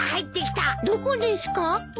どこですか？